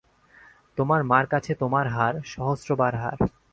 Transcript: তোমার মার কাছে তোমার হার–সহস্রবার হার।